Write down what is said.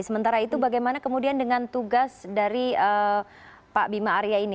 sementara itu bagaimana kemudian dengan tugas dari pak bima arya ini